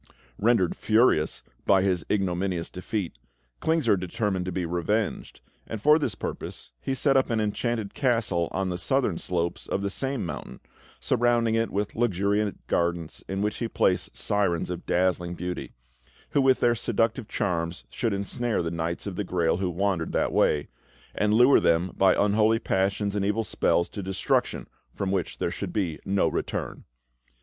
Rendered furious by his ignominious defeat, Klingsor determined to be revenged, and for this purpose he set up an Enchanted Castle on the southern slopes of the same mountain, surrounding it with luxuriant gardens in which he placed sirens of dazzling beauty, who with their seductive charms should ensnare the Knights of the Grail who wandered that way, and lure them by unholy passions and evil spells to destruction from which there should be no return.